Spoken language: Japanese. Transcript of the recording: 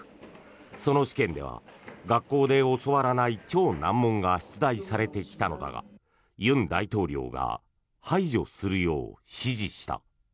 その試験では、学校で教わらない超難問が出題されてきたのだが尹大統領が排除するよう指示した。